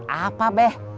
buat apa beh